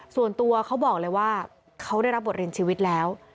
ส่วนตัวเขาบอกเลยว่าเขาได้รับบทเรียนชีวิตแล้ว